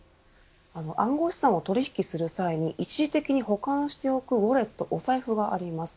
暗号資産を取引する際に一時的に保管しておくウォレットお財布があります。